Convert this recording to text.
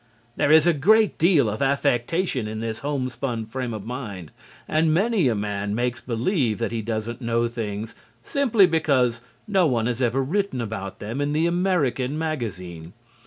There is a great deal of affectation in this homespun frame of mind, and many a man makes believe that he doesn't know things simply because no one has ever written about them in the American Magazine.